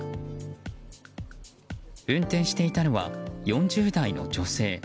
運転していたのは４０代の女性。